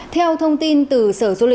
theo thông tin từ sở dô lê